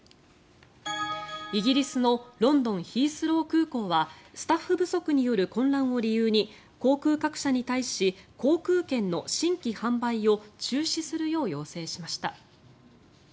イギリスのロンドン・ヒースロー空港はスタッフ不足による混乱を理由に航空各社に対し航空券の新規販売を中止するよう要請しました。